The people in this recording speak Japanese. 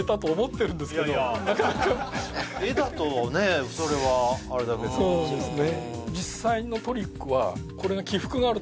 確かに絵だとそれはあれだけどそうですね